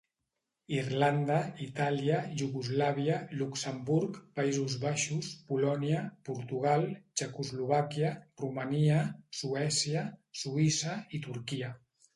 Irlanda, Itàlia, Iugoslàvia, Luxemburg, Països Baixos, Polònia, Portugal, Txecoslovàquia, Romania, Suècia, Suïssa i Turquia.